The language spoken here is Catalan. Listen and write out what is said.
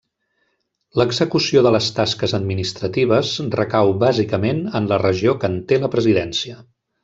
L’execució de les tasques administratives recau bàsicament en la regió que en té la presidència.